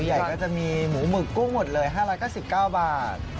ใหญ่ก็จะมีหมูหมึกกุ้งหมดเลย๕๙๙บาท